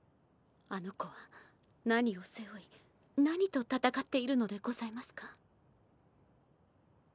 あの子は何をせ負い何とたたかっているのでございますか？